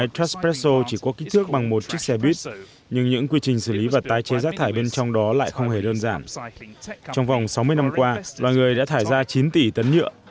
trong vòng sáu mươi năm qua loài người đã thải ra chín tỷ tấn nhựa